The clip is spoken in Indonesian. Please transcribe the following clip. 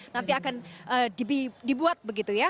nanti akan dibuat begitu ya